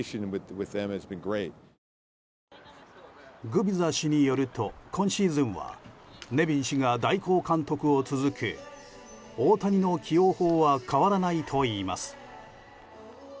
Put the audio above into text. グビザ氏によると今シーズンはネビン氏が代行監督を続け大谷の起用法は変わらないといいます。